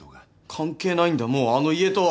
関係ないんだもうあの家とは！